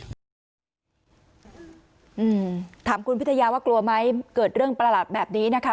อืมถามคุณพิทยาว่ากลัวไหมเกิดเรื่องประหลาดแบบนี้นะคะ